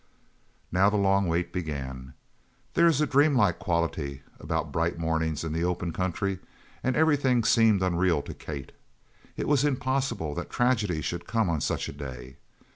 Now the long wait began. There is a dreamlike quality about bright mornings in the open country, and everything seemed unreal to Kate. It was impossible that tragedy should come on such a day.